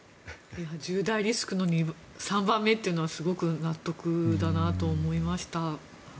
１０大リスクの３番目というのはすごく納得だなと思いました。